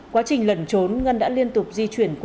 quá trình lẩn trốn ngân đã liên tục di chuyển qua các nơi